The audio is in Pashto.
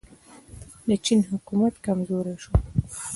د چین حکومت کمزوری شو.